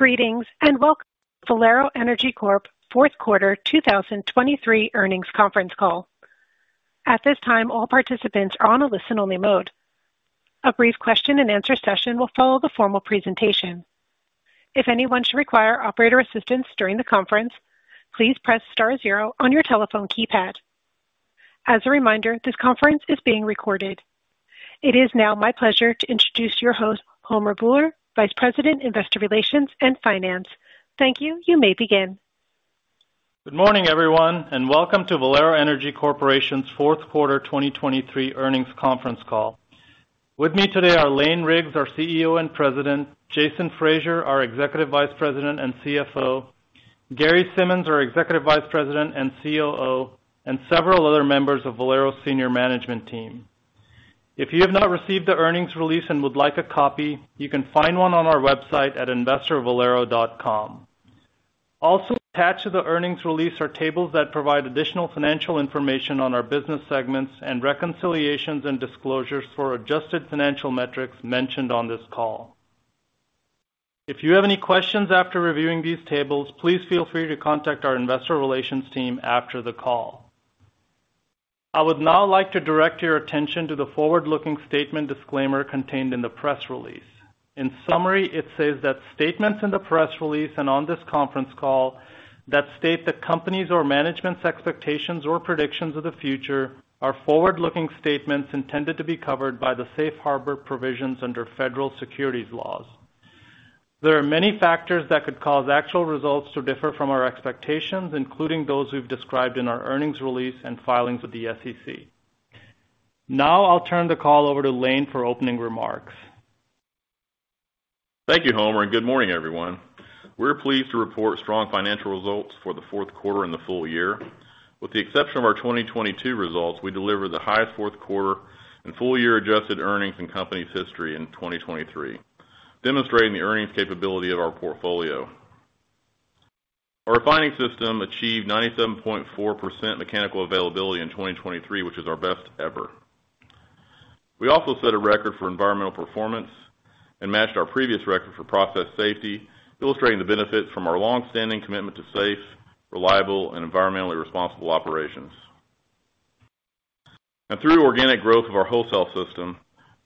Greetings, and welcome to Valero Energy Corp fourth quarter 2023 earnings conference call. At this time, all participants are on a listen-only mode. A brief question and answer session will follow the formal presentation. If anyone should require operator assistance during the conference, please press star zero on your telephone keypad. As a reminder, this conference is being recorded. It is now my pleasure to introduce your host, Homer Bhullar, Vice President, Investor Relations and Finance. Thank you. You may begin. Good morning, everyone, and welcome to Valero Energy Corporation's fourth quarter 2023 earnings conference call. With me today are Lane Riggs, our CEO and President, Jason Fraser, our Executive Vice President and CFO, Gary Simmons, our Executive Vice President and COO, and several other members of Valero's senior management team. If you have not received the earnings release and would like a copy, you can find one on our website at investor.valero.com. Also, attached to the earnings release are tables that provide additional financial information on our business segments and reconciliations and disclosures for adjusted financial metrics mentioned on this call. If you have any questions after reviewing these tables, please feel free to contact our investor relations team after the call. I would now like to direct your attention to the forward-looking statement disclaimer contained in the press release. In summary, it says that statements in the press release and on this conference call that state that companies or management's expectations or predictions of the future are forward-looking statements intended to be covered by the safe harbor provisions under federal securities laws. There are many factors that could cause actual results to differ from our expectations, including those we've described in our earnings release and filings with the SEC. Now, I'll turn the call over to Lane for opening remarks. Thank you, Homer, and good morning, everyone. We're pleased to report strong financial results for the fourth quarter and the full year. With the exception of our 2022 results, we delivered the highest fourth quarter and full year adjusted earnings in company's history in 2023, demonstrating the earnings capability of our portfolio. Our refining system achieved 97.4% mechanical availability in 2023, which is our best ever. We also set a record for environmental performance and matched our previous record for process safety, illustrating the benefit from our long-standing commitment to safe, reliable and environmentally responsible operations. Through organic growth of our wholesale system,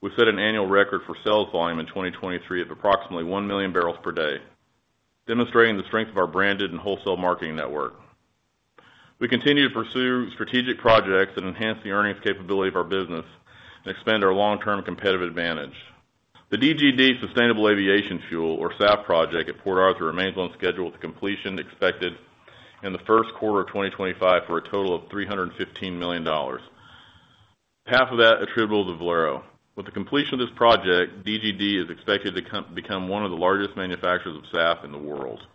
we set an annual record for sales volume in 2023 of approximately 1 million barrels per day, demonstrating the strength of our branded and wholesale marketing network. We continue to pursue strategic projects that enhance the earnings capability of our business and expand our long-term competitive advantage. The DGD Sustainable Aviation Fuel, or SAF project at Port Arthur, remains on schedule with completion expected in the first quarter of 2025 for a total of $315 million, half of that attributable to Valero. With the completion of this project, DGD is expected to become one of the largest manufacturers of SAF in the world.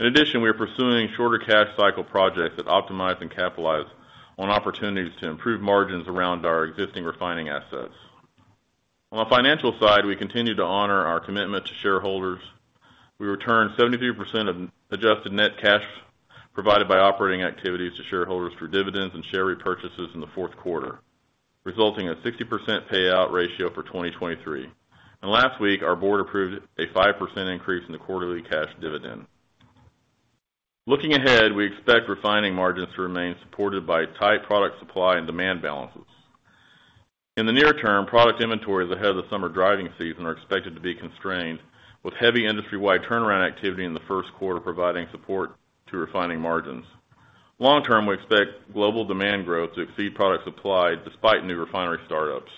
In addition, we are pursuing shorter cash cycle projects that optimize and capitalize on opportunities to improve margins around our existing refining assets. On the financial side, we continue to honor our commitment to shareholders. We returned 72% of adjusted net cash provided by operating activities to shareholders through dividends and share repurchases in the fourth quarter, resulting in a 60% payout ratio for 2023. Last week, our board approved a 5% increase in the quarterly cash dividend. Looking ahead, we expect refining margins to remain supported by tight product supply and demand balances. In the near term, product inventories ahead of the summer driving season are expected to be constrained, with heavy industry-wide turnaround activity in the first quarter, providing support to refining margins. Long term, we expect global demand growth to exceed product supply despite new refinery startups.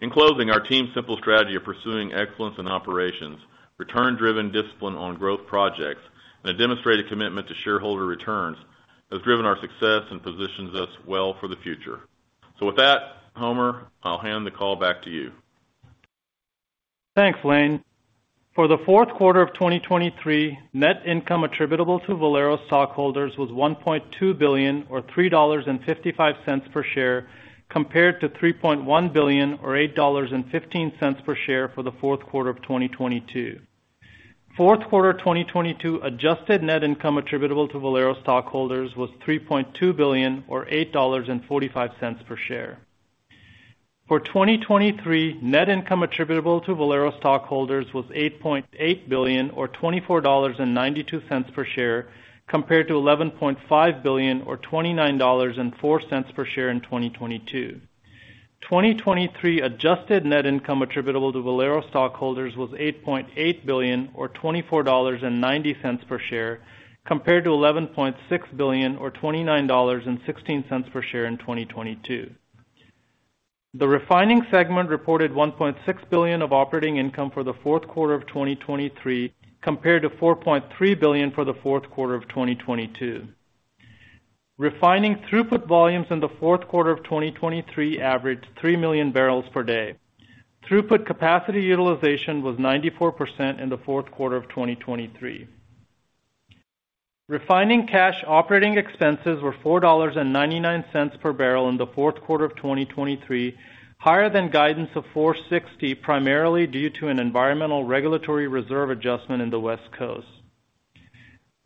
In closing, our team's simple strategy of pursuing excellence in operations, return-driven discipline on growth projects, and a demonstrated commitment to shareholder returns has driven our success and positions us well for the future. With that, Homer, I'll hand the call back to you. Thanks, Lane. For the fourth quarter of 2023, net income attributable to Valero stockholders was $1.2 billion, or $3.55 per share, compared to $3.1 billion, or $8.15 per share for the fourth quarter of 2022. Fourth quarter 2022 adjusted net income attributable to Valero stockholders was $3.2 billion, or $8.45 per share. For 2023, net income attributable to Valero stockholders was $8.8 billion, or $24.92 per share, compared to $11.5 billion, or $29.04 per share in 2022. 2023 adjusted net income attributable to Valero stockholders was $8.8 billion, or $24.90 per share, compared to $11.6 billion, or $29.16 per share in 2022. The refining segment reported $1.6 billion of operating income for the fourth quarter of 2023, compared to $4.3 billion for the fourth quarter of 2022. Refining throughput volumes in the fourth quarter of 2023 averaged 3 million barrels per day. Throughput capacity utilization was 94% in the fourth quarter of 2023. Refining cash operating expenses were $4.99 per barrel in the fourth quarter of 2023, higher than guidance of $4.60, primarily due to an environmental regulatory reserve adjustment in the West Coast.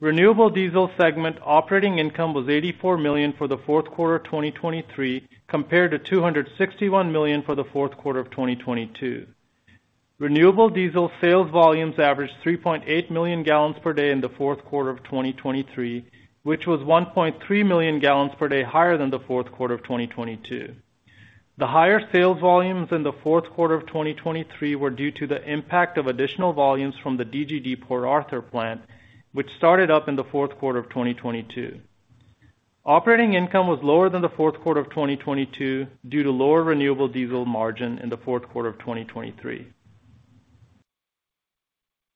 Renewable diesel segment operating income was $84 million for the fourth quarter of 2023, compared to $261 million for the fourth quarter of 2022. Renewable diesel sales volumes averaged 3.8 million gallons per day in the fourth quarter of 2023, which was 1.3 million gallons per day higher than the fourth quarter of 2022. The higher sales volumes in the fourth quarter of 2023 were due to the impact of additional volumes from the DGD Port Arthur plant, which started up in the fourth quarter of 2022. Operating income was lower than the fourth quarter of 2022, due to lower renewable diesel margin in the fourth quarter of 2023.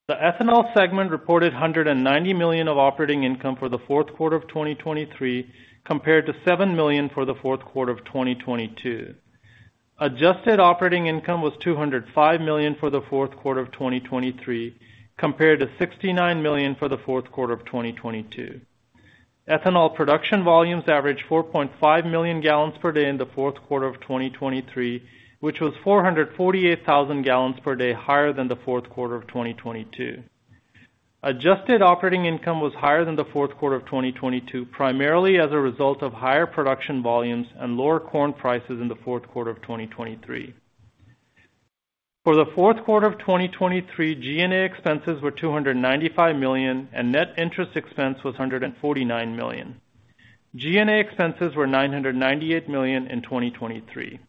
The ethanol segment reported $190 million of operating income for the fourth quarter of 2023, compared to $7 million for the fourth quarter of 2022. Adjusted operating income was $205 million for the fourth quarter of 2023, compared to $69 million for the fourth quarter of 2022. Ethanol production volumes averaged 4.5 million gallons per day in the fourth quarter of 2023, which was 448,000 gallons per day higher than the fourth quarter of 2022. Adjusted operating income was higher than the fourth quarter of 2022, primarily as a result of higher production volumes and lower corn prices in the fourth quarter of 2023. For the fourth quarter of 2023, G&A expenses were $295 million, and net interest expense was $149 million. G&A expenses were $998 million in 2023.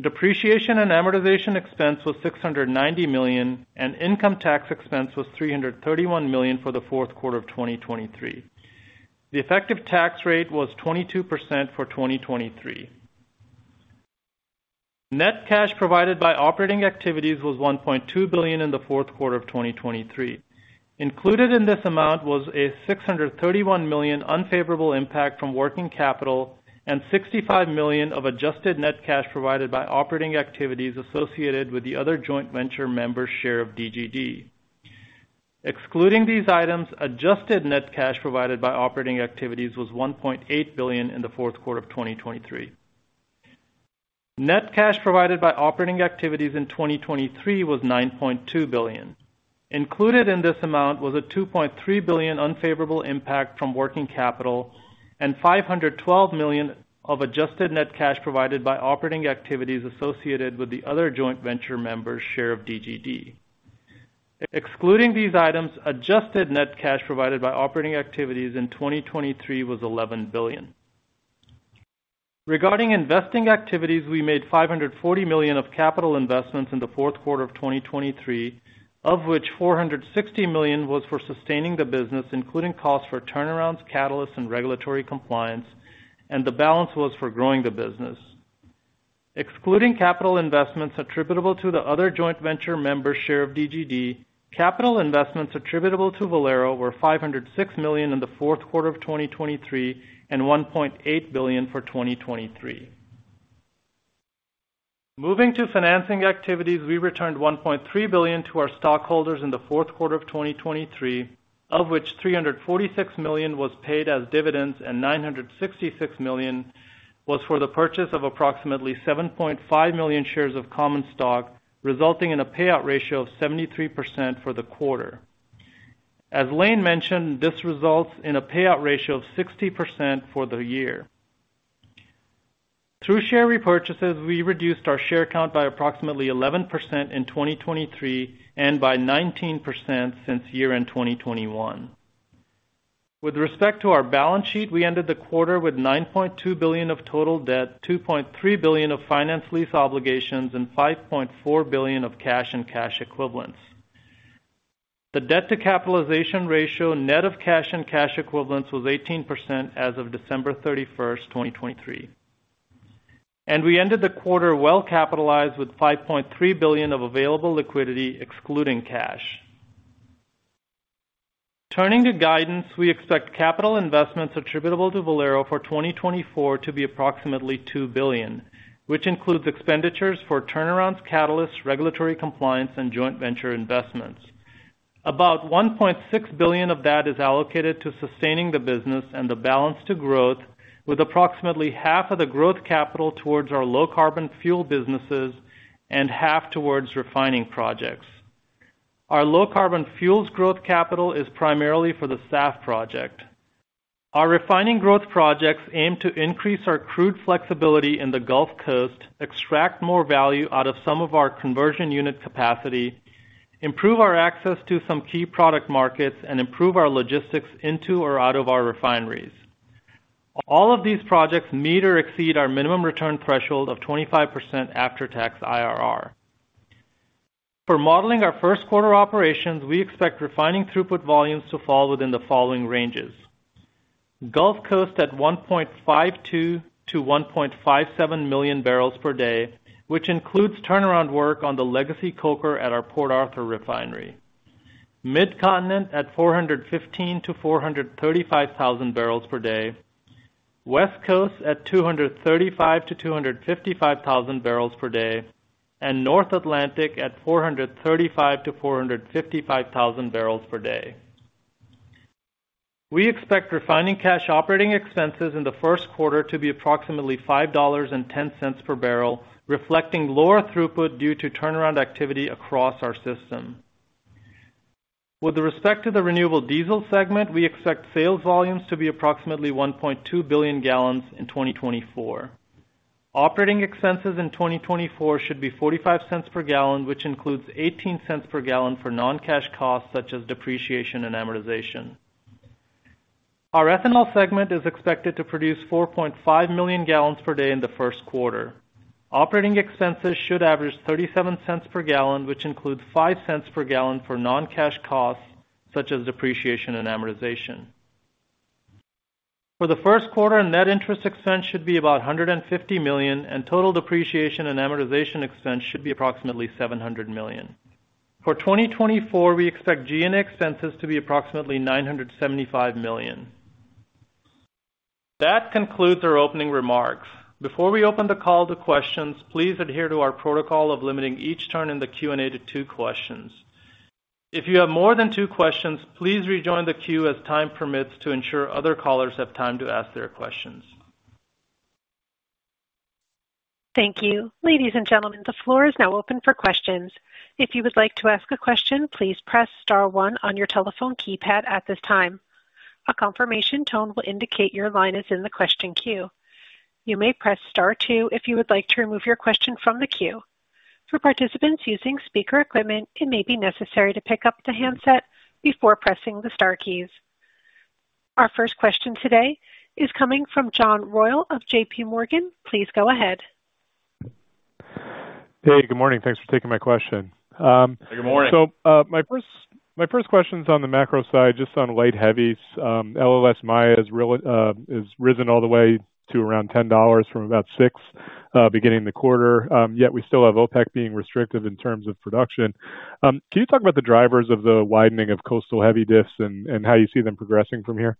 Depreciation and amortization expense was $690 million, and income tax expense was $331 million for the fourth quarter of 2023. The effective tax rate was 22% for 2023. Net cash provided by operating activities was $1.2 billion in the fourth quarter of 2023. Included in this amount was a $631 million unfavorable impact from working capital and $65 million of adjusted net cash provided by operating activities associated with the other joint venture member's share of DGD. Excluding these items, adjusted net cash provided by operating activities was $1.8 billion in the fourth quarter of 2023. Net cash provided by operating activities in 2023 was $9.2 billion. Included in this amount was a $2.3 billion unfavorable impact from working capital and $512 million of adjusted net cash provided by operating activities associated with the other joint venture members' share of DGD. Excluding these items, adjusted net cash provided by operating activities in 2023 was $11 billion. Regarding investing activities, we made $540 million of capital investments in the fourth quarter of 2023, of which $460 million was for sustaining the business, including costs for turnarounds, catalysts, and regulatory compliance, and the balance was for growing the business. Excluding capital investments attributable to the other joint venture members' share of DGD, capital investments attributable to Valero were $506 million in the fourth quarter of 2023, and $1.8 billion for 2023. Moving to financing activities, we returned $1.3 billion to our stockholders in the fourth quarter of 2023, of which $346 million was paid as dividends, and $966 million was for the purchase of approximately 7.5 million shares of common stock, resulting in a payout ratio of 73% for the quarter. As Lane mentioned, this results in a payout ratio of 60% for the year. Through share repurchases, we reduced our share count by approximately 11% in 2023, and by 19% since year-end 2021. With respect to our balance sheet, we ended the quarter with $9.2 billion of total debt, $2.3 billion of finance lease obligations, and $5.4 billion of cash and cash equivalents. The debt-to-capitalization ratio, net of cash and cash equivalents, was 18% as of December 31, 2023, and we ended the quarter well-capitalized with $5.3 billion of available liquidity, excluding cash. Turning to guidance, we expect capital investments attributable to Valero for 2024 to be approximately $2 billion, which includes expenditures for turnarounds, catalysts, regulatory compliance, and joint venture investments. About $1.6 billion of that is allocated to sustaining the business and the balance to growth, with approximately half of the growth capital towards our low-carbon fuel businesses and half towards refining projects. Our low-carbon fuels growth capital is primarily for the SAF project. Our refining growth projects aim to increase our crude flexibility in the Gulf Coast, extract more value out of some of our conversion unit capacity, improve our access to some key product markets, and improve our logistics into or out of our refineries. All of these projects meet or exceed our minimum return threshold of 25% after-tax IRR. For modeling our first quarter operations, we expect refining throughput volumes to fall within the following ranges: Gulf Coast at 1.52-1.57 million barrels per day, which includes turnaround work on the legacy coker at our Port Arthur refinery. Mid-Continent at 415,000-435,000 barrels per day, West Coast at 235,000-255,000 barrels per day, and North Atlantic at 435,000-455,000 barrels per day. We expect refining cash operating expenses in the first quarter to be approximately $5.10 per barrel, reflecting lower throughput due to turnaround activity across our system. With respect to the renewable diesel segment, we expect sales volumes to be approximately 1.2 billion gallons in 2024. Operating expenses in 2024 should be $0.45 per gallon, which includes $0.18 per gallon for non-cash costs such as depreciation and amortization. Our ethanol segment is expected to produce 4.5 million gallons per day in the first quarter. Operating expenses should average $0.37 per gallon, which includes $0.05 per gallon for non-cash costs such as depreciation and amortization. For the first quarter, net interest expense should be about $150 million, and total depreciation and amortization expense should be approximately $700 million. For 2024, we expect G&A expenses to be approximately $975 million. That concludes our opening remarks. Before we open the call to questions, please adhere to our protocol of limiting each turn in the Q&A to two questions. If you have more than two questions, please rejoin the queue as time permits to ensure other callers have time to ask their questions. Thank you. Ladies and gentlemen, the floor is now open for questions. If you would like to ask a question, please press star one on your telephone keypad at this time. A confirmation tone will indicate your line is in the question queue. You may press star two if you would like to remove your question from the queue. For participants using speaker equipment, it may be necessary to pick up the handset before pressing the star keys. Our first question today is coming from John Royall of J.P. Morgan. Please go ahead. Hey, good morning. Thanks for taking my question. Good morning. My first question is on the macro side, just on light heavies. LLS-Maya has risen all the way to around $10 from about $6 beginning of the quarter. Yet we still have OPEC being restrictive in terms of production. Can you talk about the drivers of the widening of Gulf Coast heavy diffs and how you see them progressing from here?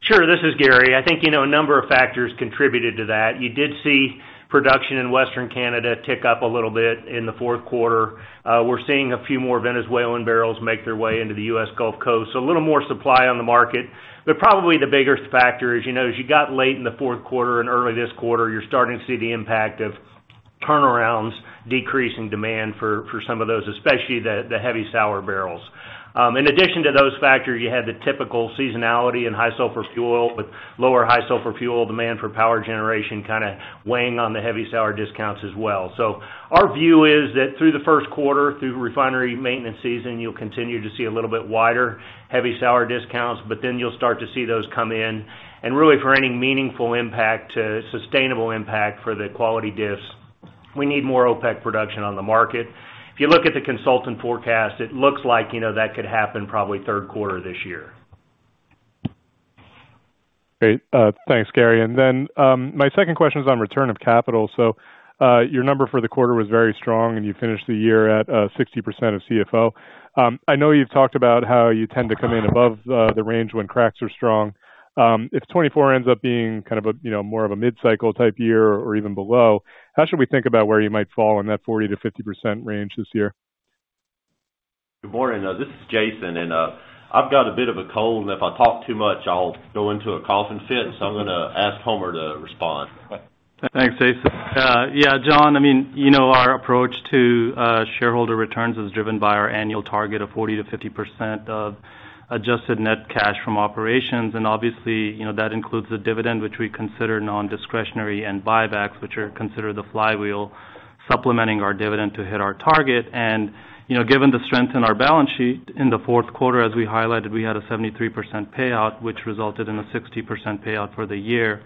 Sure. This is Gary. I think, you know, a number of factors contributed to that. You did see production in Western Canada tick up a little bit in the fourth quarter. We're seeing a few more Venezuelan barrels make their way into the U.S. Gulf Coast, so a little more supply on the market. But probably the biggest factor is, you know, as you got late in the fourth quarter and early this quarter, you're starting to see the impact of turnarounds, decreasing demand for some of those, especially the heavy sour barrels. In addition to those factors, you had the typical seasonality in high sulfur fuel, with lower high sulfur fuel demand for power generation kind of weighing on the heavy sour discounts as well. So our view is that through the first quarter, through refinery maintenance season, you'll continue to see a little bit wider heavy sour discounts, but then you'll start to see those come in. And really, for any meaningful impact to sustainable impact for the quality diffs, we need more OPEC production on the market. If you look at the consultant forecast, it looks like, you know, that could happen probably third quarter this year. Great. Thanks, Gary. And then, my second question is on return of capital. So, your number for the quarter was very strong, and you finished the year at, sixty percent of CFO. I know you've talked about how you tend to come in above, the range when cracks are strong. If 2024 ends up being kind of a, you know, more of a mid-cycle type year or even below, how should we think about where you might fall in that 40%-50% range this year? Good morning. This is Jason, and I've got a bit of a cold, and if I talk too much, I'll go into a coughing fit, so I'm gonna ask Homer to respond. Thanks, Jason. Yeah, John, I mean, you know, our approach to shareholder returns is driven by our annual target of 40%-50% of adjusted net cash from operations. And obviously, you know, that includes the dividend, which we consider non-discretionary, and buybacks, which are considered the flywheel, supplementing our dividend to hit our target. And, you know, given the strength in our balance sheet in the fourth quarter, as we highlighted, we had a 73% payout, which resulted in a 60% payout for the year.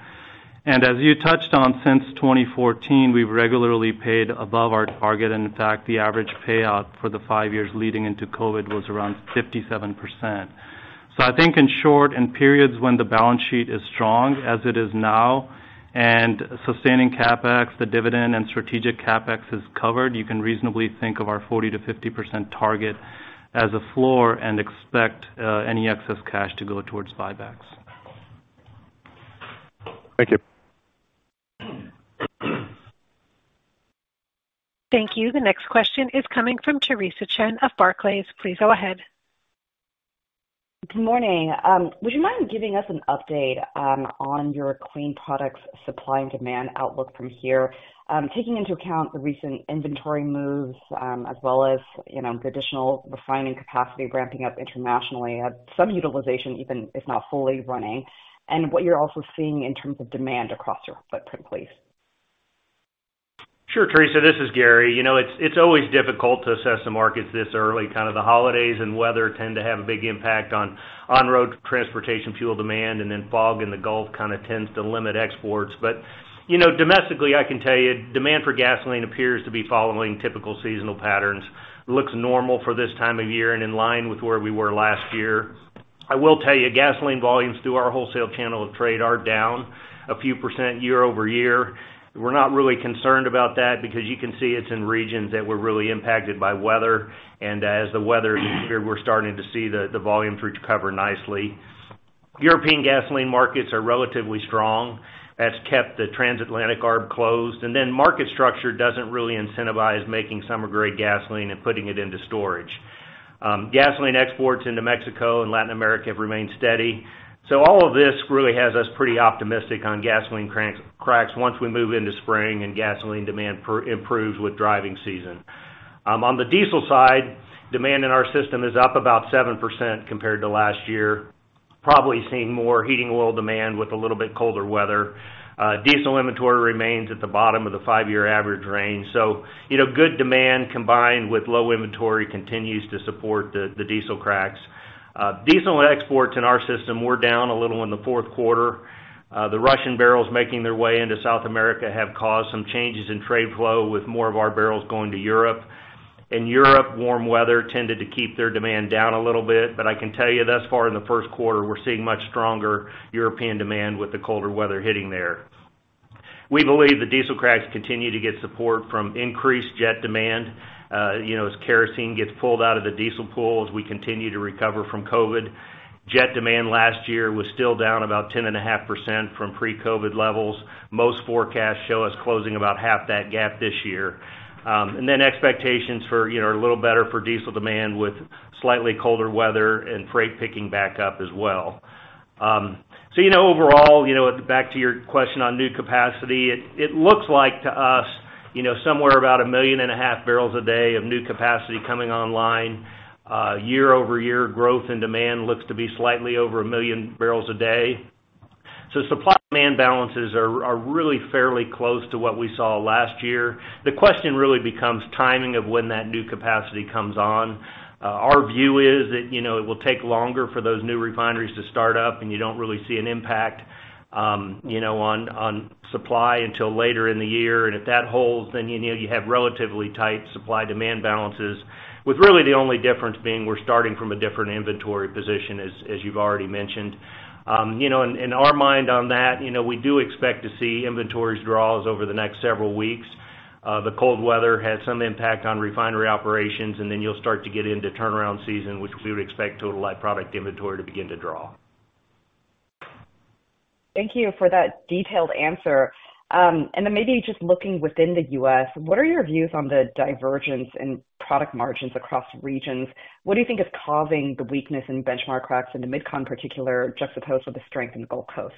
And as you touched on, since 2014, we've regularly paid above our target, and in fact, the average payout for the five years leading into COVID was around 57%. So I think in short, in periods when the balance sheet is strong, as it is now, and sustaining CapEx, the dividend and strategic CapEx is covered, you can reasonably think of our 40%-50% target as a floor and expect any excess cash to go towards buybacks. Thank you. Thank you. The next question is coming from Theresa Chen of Barclays. Please go ahead. Good morning. Would you mind giving us an update on your clean products supply and demand outlook from here? Taking into account the recent inventory moves, as well as, you know, additional refining capacity, ramping up internationally, some utilization, even if not fully running, and what you're also seeing in terms of demand across your footprint, please? Sure, Teresa, this is Gary. You know, it's always difficult to assess the markets this early. Kind of the holidays and weather tend to have a big impact on on-road transportation, fuel demand, and then fog in the Gulf kind of tends to limit exports. But, you know, domestically, I can tell you demand for gasoline appears to be following typical seasonal patterns. It looks normal for this time of year and in line with where we were last year. I will tell you, gasoline volumes through our wholesale channel of trade are down a few percent year-over-year. We're not really concerned about that because you can see it's in regions that were really impacted by weather, and as the weather, we're starting to see the volume recover nicely. European gasoline markets are relatively strong. That's kept the transatlantic arb closed, and then market structure doesn't really incentivize making summer-grade gasoline and putting it into storage. Gasoline exports into Mexico and Latin America have remained steady. So all of this really has us pretty optimistic on gasoline cracks once we move into spring and gasoline demand improves with driving season. On the diesel side, demand in our system is up about 7% compared to last year, probably seeing more heating oil demand with a little bit colder weather. Diesel inventory remains at the bottom of the five-year average range. So you know, good demand, combined with low inventory, continues to support the diesel cracks. Diesel exports in our system were down a little in the fourth quarter. The Russian barrels making their way into South America have caused some changes in trade flow, with more of our barrels going to Europe. In Europe, warm weather tended to keep their demand down a little bit, but I can tell you, thus far in the first quarter, we're seeing much stronger European demand with the colder weather hitting there. We believe the diesel cracks continue to get support from increased jet demand, as kerosene gets pulled out of the diesel pool as we continue to recover from COVID. Jet demand last year was still down about 10.5% from pre-COVID levels. Most forecasts show us closing about half that gap this year. And then expectations for, you know, are a little better for diesel demand, with slightly colder weather and freight picking back up as well. So you know, overall, you know, back to your question on new capacity, it looks like to us, you know, somewhere about 1.5 million barrels a day of new capacity coming online. Year-over-year growth in demand looks to be slightly over 1 million barrels a day. So supply-demand balances are really fairly close to what we saw last year. The question really becomes timing of when that new capacity comes on. Our view is that, you know, it will take longer for those new refineries to start up, and you don't really see an impact, you know, on supply until later in the year. And if that holds, then, you know, you have relatively tight supply-demand balances, with really the only difference being we're starting from a different inventory position, as you've already mentioned. You know, in our mind on that, you know, we do expect to see inventories draws over the next several weeks. The cold weather had some impact on refinery operations, and then you'll start to get into turnaround season, which we would expect total light product inventory to begin to draw. Thank you for that detailed answer. And then maybe just looking within the U.S., what are your views on the divergence in product margins across regions? What do you think is causing the weakness in benchmark cracks in the MidCon in particular, juxtaposed with the strength in the Gulf Coast?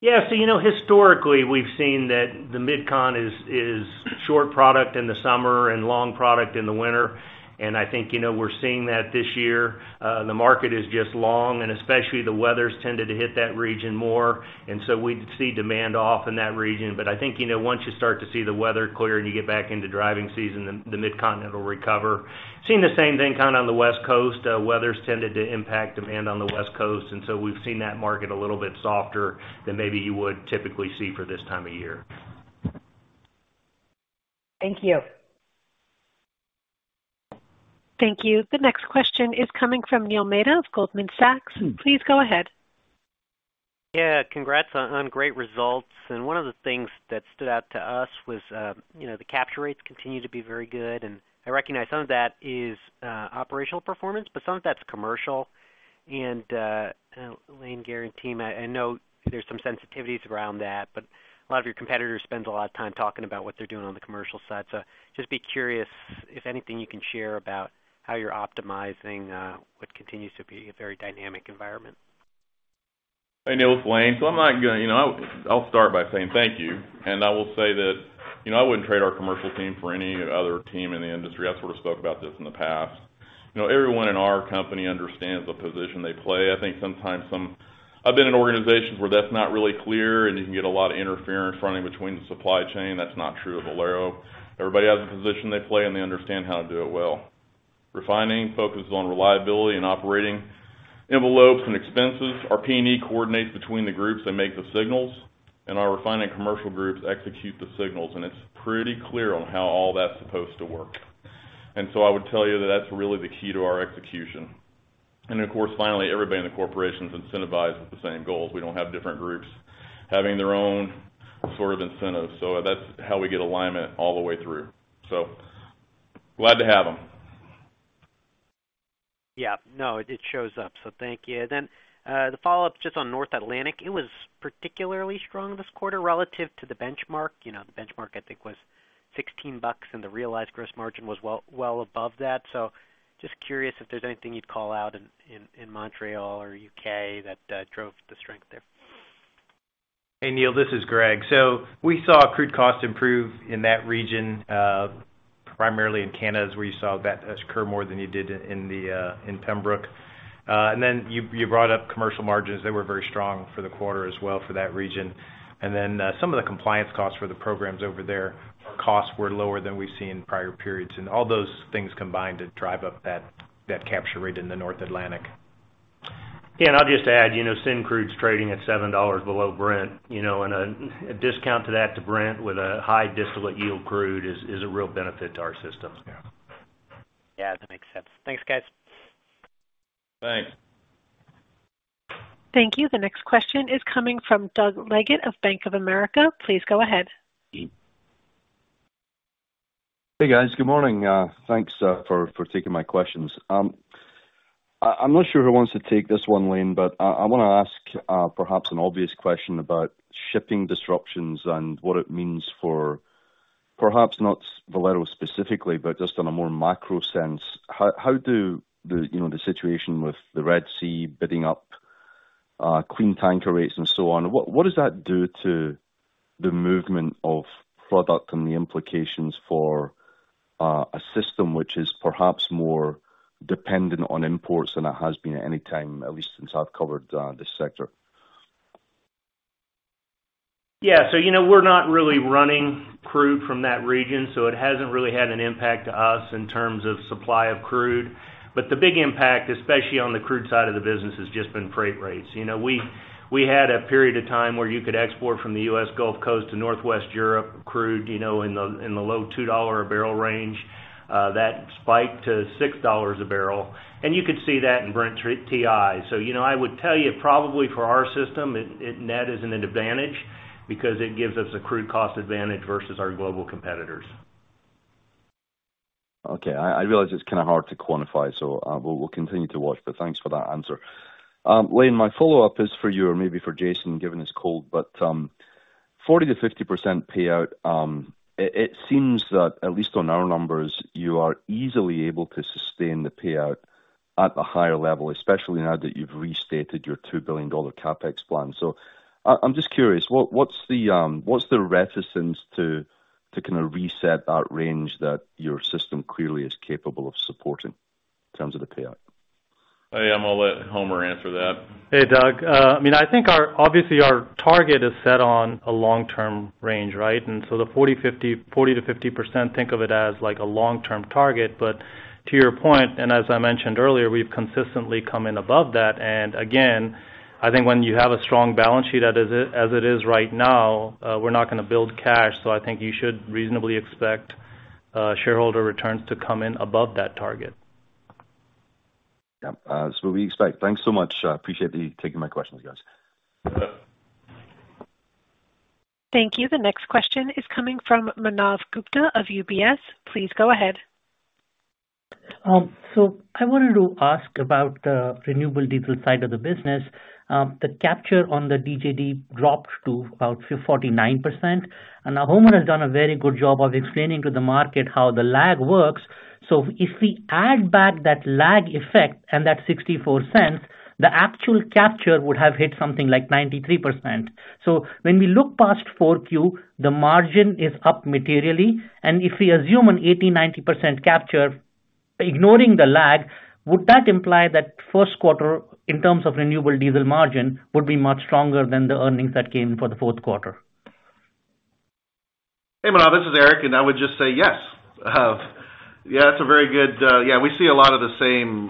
Yeah, so you know, historically, we've seen that the MidCon is short product in the summer and long product in the winter, and I think, you know, we're seeing that this year. The market is just long, and especially the weather's tended to hit that region more, and so we see demand off in that region. But I think, you know, once you start to see the weather clear and you get back into driving season, then the MidCon will recover. Seeing the same thing kind of on the West Coast. Weather's tended to impact demand on the West Coast, and so we've seen that market a little bit softer than maybe you would typically see for this time of year. Thank you. Thank you. The next question is coming from Neil Mehta of Goldman Sachs. Please go ahead. Yeah, congrats on great results. One of the things that stood out to us was, you know, the capture rates continue to be very good, and I recognize some of that is operational performance, but some of that's commercial. Lane, Gary and team, I know there's some sensitivities around that, but a lot of your competitors spend a lot of time talking about what they're doing on the commercial side. Just be curious if anything you can share about how you're optimizing what continues to be a very dynamic environment. Hey, Neil, it's Lane. So I'm not gonna—you know, I'll start by saying thank you. And I will say that, you know, I wouldn't trade our commercial team for any other team in the industry. I sort of spoke about this in the past. You know, everyone in our company understands the position they play. I think sometimes some... I've been in organizations where that's not really clear, and you can get a lot of interference running between the supply chain. That's not true of Valero. Everybody has a position they play, and they understand how to do it well. Refining focuses on reliability and operating envelopes and expenses. Our P&E coordinates between the groups that make the signals, and our refining commercial groups execute the signals, and it's pretty clear on how all that's supposed to work. And so I would tell you that that's really the key to our execution. And of course, finally, everybody in the corporation's incentivized with the same goals. We don't have different groups having their own sort of incentives, so that's how we get alignment all the way through. So glad to have them. Yeah. No, it, it shows up. So thank you. Then, the follow-up, just on North Atlantic, it was particularly strong this quarter relative to the benchmark. You know, the benchmark, I think, was $16, and the realized gross margin was well, well above that. So just curious if there's anything you'd call out in Montreal or U.K. that drove the strength there. Hey, Neil, this is Greg. So we saw crude costs improve in that region, primarily in Canada, is where you saw that occur more than you did in the in Pembroke. And then you brought up commercial margins. They were very strong for the quarter as well for that region. And then some of the compliance costs for the programs over there, our costs were lower than we've seen in prior periods, and all those things combined to drive up that capture rate in the North Atlantic. Yeah, and I'll just add, you know, Syncrude's trading at $7 below Brent, you know, and a discount to that to Brent, with a high distillate yield crude is a real benefit to our systems. Yeah, that makes sense. Thanks, guys. Thanks. Thank you. The next question is coming from Doug Leggate of Bank of America. Please go ahead. Hey, guys. Good morning. Thanks for taking my questions. I'm not sure who wants to take this one, Lane, but I wanna ask perhaps an obvious question about shipping disruptions and what it means for perhaps not Valero specifically, but just on a more macro sense. How do the, you know, the situation with the Red Sea bidding up clean tanker rates and so on, what does that do to the movement of product and the implications for a system which is perhaps more dependent on imports than it has been at any time, at least since I've covered this sector? Yeah, so, you know, we're not really running crude from that region, so it hasn't really had an impact to us in terms of supply of crude. But the big impact, especially on the crude side of the business, has just been freight rates. You know, we had a period of time where you could export from the U.S. Gulf Coast to Northwest Europe crude, you know, in the low $2-a-barrel range. That spiked to $6 a barrel, and you could see that in Brent TI. So, you know, I would tell you probably for our system, it net is an advantage because it gives us a crude cost advantage versus our global competitors. Okay, I realize it's kind of hard to quantify, so we'll continue to watch, but thanks for that answer. Lane, my follow-up is for you or maybe for Jason, given his cold. But 40%-50% payout, it seems that at least on our numbers, you are easily able to sustain the payout at a higher level, especially now that you've restated your $2 billion CapEx plan. So I'm just curious, what's the reticence to kind of reset that range that your system clearly is capable of supporting in terms of the payout? Hey, I'm gonna let Homer answer that. Hey, Doug. I mean, I think our... obviously, our target is set on a long-term range, right? And so the 40, 50, 40%-50%, think of it as like a long-term target. But to your point, and as I mentioned earlier, we've consistently come in above that, and again, I think when you have a strong balance sheet as it, as it is right now, we're not gonna build cash, so I think you should reasonably expect shareholder returns to come in above that target. Yeah, that's what we expect. Thanks so much. Appreciate you taking my questions, guys. Thank you. The next question is coming from Manav Gupta of UBS. Please go ahead. So I wanted to ask about the renewable diesel side of the business. The capture on the DGD dropped to about 49%, and now Homer has done a very good job of explaining to the market how the lag works. So if we add back that lag effect and that $0.64, the actual capture would have hit something like 93%. So when we look past 4Q, the margin is up materially, and if we assume an 80%-90% capture, ignoring the lag, would that imply that first quarter, in terms of renewable diesel margin, would be much stronger than the earnings that came in for the fourth quarter? Hey, Manav, this is Eric, and I would just say yes. Yeah, that's a very good... yeah, we see a lot of the same,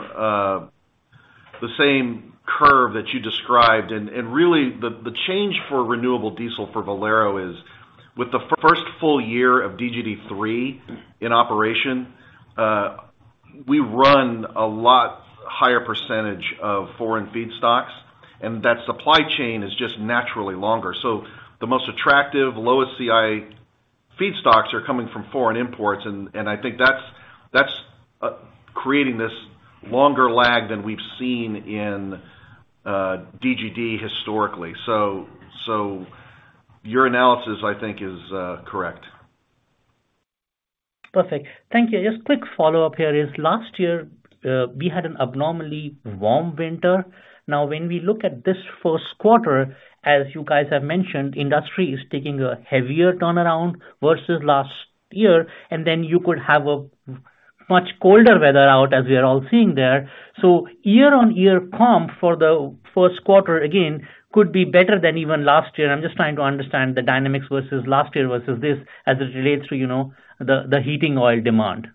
the same curve that you described. And really, the change for renewable diesel for Valero is, with the first full year of DGD three in operation, we run a lot higher percentage of foreign feedstocks, and that supply chain is just naturally longer. So the most attractive, lowest CI feedstocks are coming from foreign imports, and I think that's creating this longer lag than we've seen in DGD historically. So your analysis, I think, is correct. Perfect. Thank you. Just quick follow-up here is, last year, we had an abnormally warm winter. Now, when we look at this first quarter, as you guys have mentioned, industry is taking a heavier turnaround versus last year, and then you could have a much colder weather out, as we are all seeing there. So year-on-year comp for the first quarter, again, could be better than even last year. I'm just trying to understand the dynamics versus last year versus this, as it relates to, you know, the heating oil demand.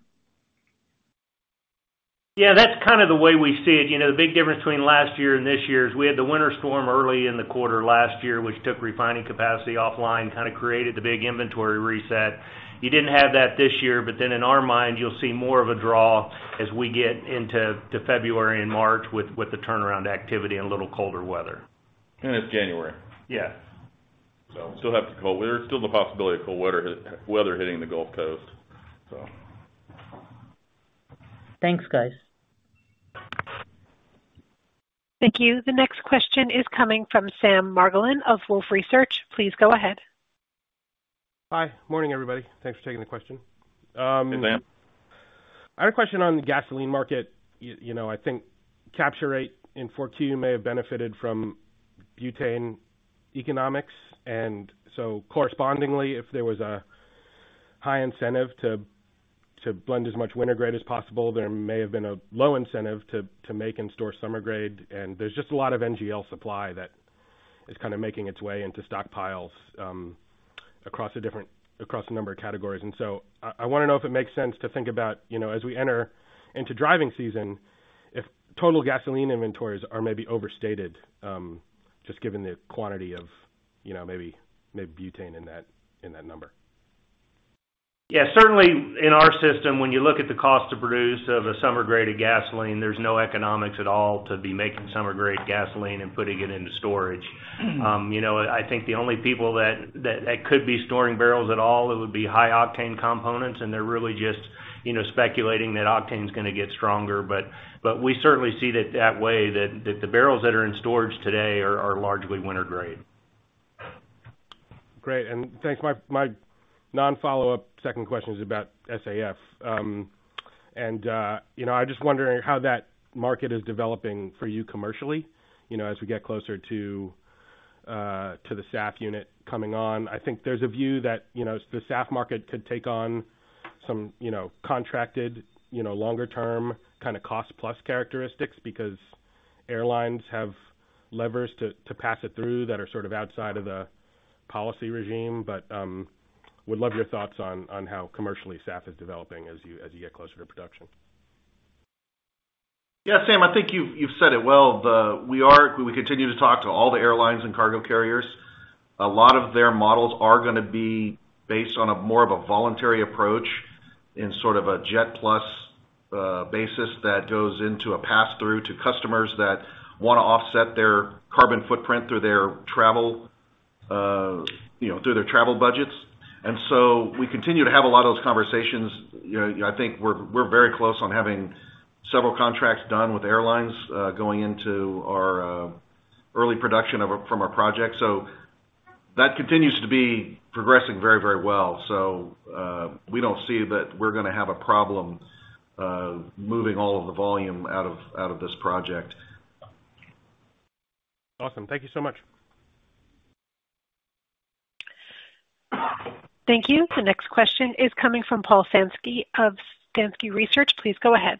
Yeah, that's kind of the way we see it. You know, the big difference between last year and this year is we had the winter storm early in the quarter last year, which took refining capacity offline, kind of created the big inventory reset. You didn't have that this year, but then in our minds, you'll see more of a draw as we get into February and March with the turnaround activity and a little colder weather. It's January. Yes. So, still have the cold weather, still the possibility of cold weather hitting the Gulf Coast, so. Thanks, guys. Thank you. The next question is coming from Sam Margolin of Wolfe Research. Please go ahead. Hi. Morning, everybody. Thanks for taking the question. Hey, Sam. I had a question on the gasoline market. You know, I think capture rate in 4Q may have benefited from butane economics, and so correspondingly, if there was a high incentive to blend as much winter grade as possible, there may have been a low incentive to make and store summer grade. And there's just a lot of NGL supply that is kind of making its way into stockpiles across a number of categories. And so I wanna know if it makes sense to think about, you know, as we enter into driving season, if total gasoline inventories are maybe overstated just given the quantity of, you know, maybe butane in that number? ... Yeah, certainly in our system, when you look at the cost to produce of a summer-grade of gasoline, there's no economics at all to be making summer-grade gasoline and putting it into storage. You know, I think the only people that could be storing barrels at all, it would be high octane components, and they're really just, you know, speculating that octane is gonna get stronger. But we certainly see it that way, that the barrels that are in storage today are largely winter grade. Great. And thanks. My, my non-follow-up second question is about SAF. And, you know, I'm just wondering how that market is developing for you commercially, you know, as we get closer to, to the SAF unit coming on. I think there's a view that, you know, the SAF market could take on some, you know, contracted, you know, longer-term kind of cost plus characteristics because airlines have levers to, to pass it through that are sort of outside of the policy regime. But, would love your thoughts on, on how commercially SAF is developing as you, as you get closer to production. Yeah, Sam, I think you've said it well. We continue to talk to all the airlines and cargo carriers. A lot of their models are gonna be based on a more of a voluntary approach in sort of a jet plus basis, that goes into a pass-through to customers that wanna offset their carbon footprint through their travel, you know, through their travel budgets. And so we continue to have a lot of those conversations. You know, I think we're very close on having several contracts done with airlines, going into our early production of our—from our project. So that continues to be progressing very, very well. So, we don't see that we're gonna have a problem moving all of the volume out of this project. Awesome. Thank you so much. Thank you. The next question is coming from Paul Sankey of Sankey Research. Please go ahead.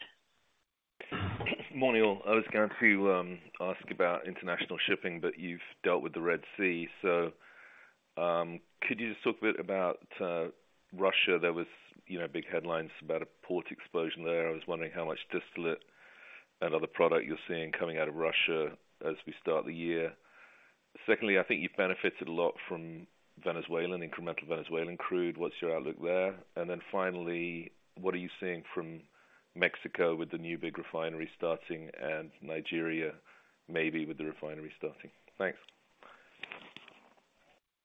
Morning, all. I was going to ask about international shipping, but you've dealt with the Red Sea. So, could you just talk a bit about Russia? There was, you know, big headlines about a port explosion there. I was wondering how much distillate and other product you're seeing coming out of Russia as we start the year. Secondly, I think you've benefited a lot from Venezuelan, incremental Venezuelan crude. What's your outlook there? And then finally, what are you seeing from Mexico with the new big refinery starting and Nigeria, maybe with the refinery starting? Thanks.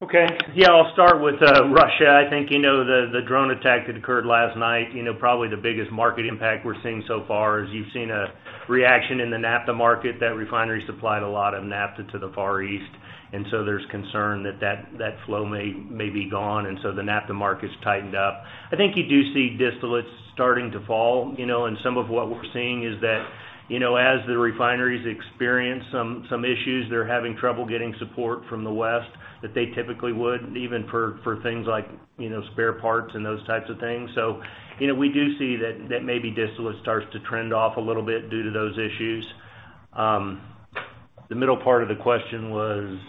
Okay. Yeah, I'll start with Russia. I think, you know, the drone attack that occurred last night, you know, probably the biggest market impact we're seeing so far is you've seen a reaction in the naphtha market, that refineries supplied a lot of naphtha to the Far East, and so there's concern that that flow may be gone, and so the naphtha market's tightened up. I think you do see distillates starting to fall, you know, and some of what we're seeing is that, you know, as the refineries experience some issues, they're having trouble getting support from the West, that they typically would, even for things like, you know, spare parts and those types of things. So, you know, we do see that maybe distillate starts to trend off a little bit due to those issues. The middle part of the question was?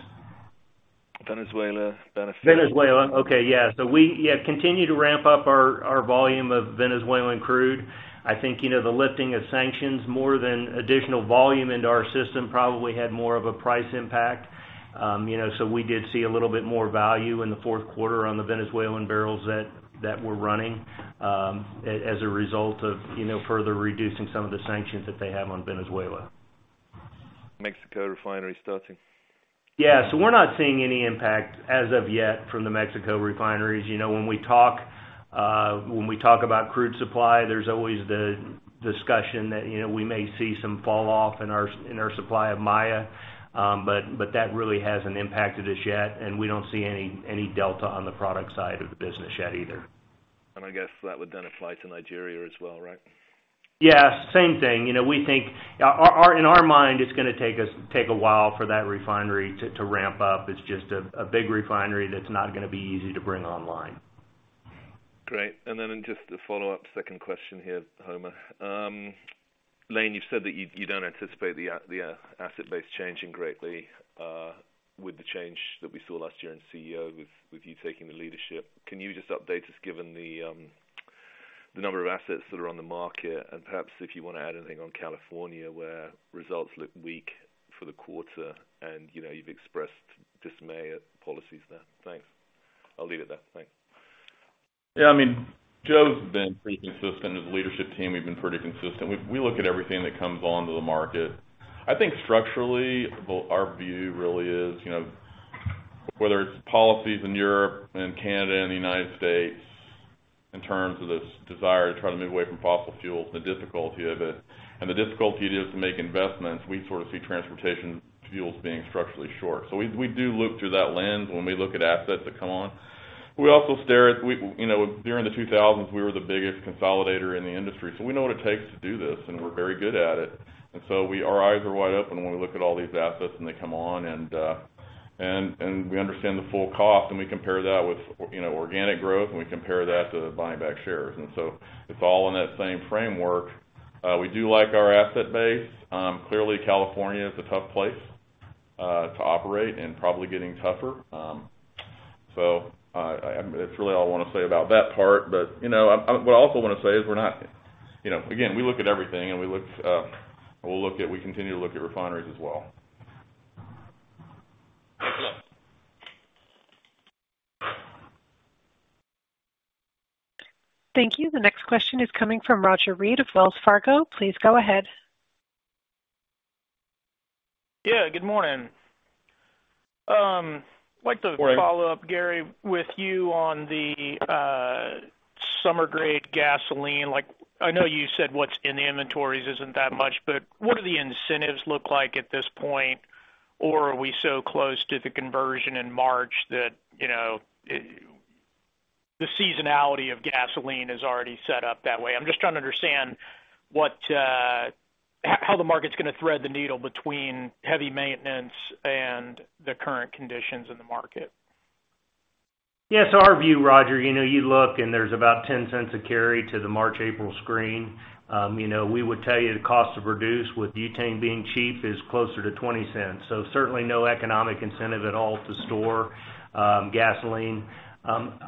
Venezuela, Venezuela. Venezuela. Okay. Yeah. So we, yeah, continue to ramp up our volume of Venezuelan crude. I think, you know, the lifting of sanctions more than additional volume into our system, probably had more of a price impact. You know, so we did see a little bit more value in the fourth quarter on the Venezuelan barrels that were running, as a result of, you know, further reducing some of the sanctions that they have on Venezuela. Mexico refinery starting. Yeah. So we're not seeing any impact as of yet from the Mexico refineries. You know, when we talk, when we talk about crude supply, there's always the discussion that, you know, we may see some falloff in our, in our supply of Maya, but, but that really hasn't impacted us yet, and we don't see any, any delta on the product side of the business yet either. I guess that would then apply to Nigeria as well, right? Yes, same thing. You know, we think... In our mind, it's gonna take us a while for that refinery to ramp up. It's just a big refinery that's not gonna be easy to bring online. Great. And then just a follow-up second question here, Homer. Lane, you've said that you don't anticipate the asset base changing greatly, with the change that we saw last year in CEO, with you taking the leadership. Can you just update us, given the number of assets that are on the market? And perhaps if you wanna add anything on California, where results look weak for the quarter and, you know, you've expressed dismay at policies there. Thanks. I'll leave it there. Thanks. Yeah, I mean, Joe's been pretty consistent. As a leadership team, we've been pretty consistent. We, we look at everything that comes onto the market. I think structurally, well, our view really is, you know, whether it's policies in Europe and Canada and the United States, in terms of this desire to try to move away from fossil fuels and the difficulty of it, and the difficulty it is to make investments, we sort of see transportation fuels being structurally short. So we, we do look through that lens when we look at assets that come on. We also stare at—we—you know, during the 2000s, we were the biggest consolidator in the industry, so we know what it takes to do this, and we're very good at it. Our eyes are wide open when we look at all these assets and they come on and we understand the full cost, and we compare that with, you know, organic growth, and we compare that to buying back shares. It's all in that same framework. We do like our asset base. Clearly, California is a tough place to operate and probably getting tougher. That's really all I wanna say about that part. You know, what I also wanna say is we're not... You know, again, we look at everything and we look, we'll look at, we continue to look at refineries as well. Thank you. The next question is coming from Roger Read of Wells Fargo. Please go ahead. Yeah, good morning. I'd like to- Good morning. Follow up, Gary, with you on the summer-grade gasoline. Like, I know you said what's in the inventories isn't that much, but what do the incentives look like at this point? Or are we so close to the conversion in March that, you know, it the seasonality of gasoline is already set up that way? I'm just trying to understand what how the market's gonna thread the needle between heavy maintenance and the current conditions in the market. Yeah, so our view, Roger, you know, you look, and there's about $0.10 carry to the March, April screen. You know, we would tell you the cost to produce with ethane being cheap is closer to $0.20, so certainly no economic incentive at all to store gasoline.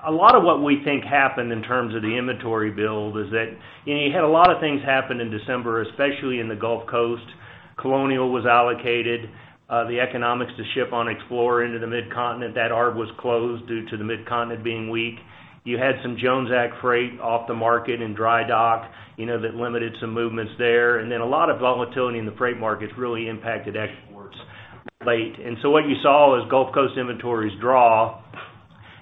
A lot of what we think happened in terms of the inventory build is that, you know, you had a lot of things happen in December, especially in the Gulf Coast. Colonial was allocated, the economics to ship on Explorer into the Mid-Continent. That arb was closed due to the Mid-Continent being weak. You had some Jones Act freight off the market in dry dock, you know, that limited some movements there, and then a lot of volatility in the freight markets really impacted exports late. And so what you saw was Gulf Coast inventories draw.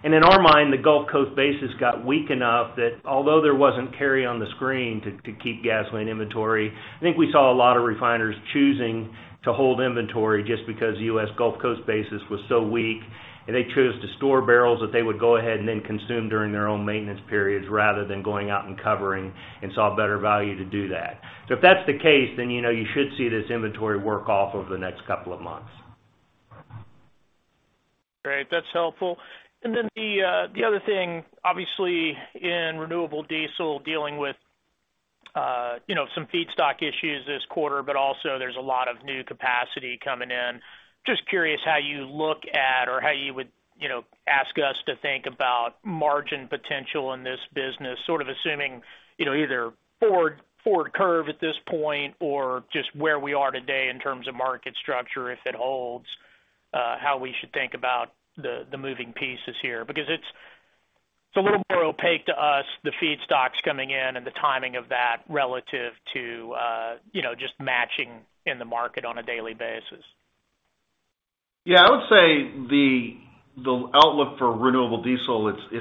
In our mind, the Gulf Coast basis got weak enough that although there wasn't carry on the screen to keep gasoline inventory, I think we saw a lot of refiners choosing to hold inventory just because U.S. Gulf Coast basis was so weak, and they chose to store barrels that they would go ahead and then consume during their own maintenance periods rather than going out and covering and saw a better value to do that. If that's the case, then, you know, you should see this inventory work off over the next couple of months. Great, that's helpful. Then the other thing, obviously, in renewable diesel, dealing with, you know, some feedstock issues this quarter, but also there's a lot of new capacity coming in. Just curious how you look at or how you would, you know, ask us to think about margin potential in this business, sort of assuming, you know, either forward, forward curve at this point or just where we are today in terms of market structure, if it holds, how we should think about the moving pieces here. Because it's a little more opaque to us, the feedstocks coming in and the timing of that relative to, you know, just matching in the market on a daily basis. Yeah, I would say the outlook for renewable diesel, it